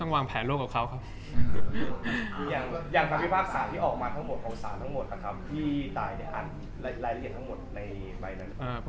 ต้องวางแผนยังไงบ้างต้องวางแผนลูกกับเขาครับ